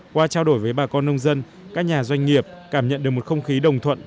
qua trao đổi với bà con nông dân các nhà doanh nghiệp cảm nhận được một không khí đồng thuận